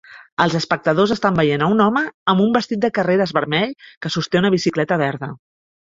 Els espectadors estan veient a un home amb un vestit de carreres vermell que sosté una bicicleta verda.